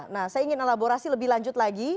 nah saya ingin elaborasi lebih lanjut lagi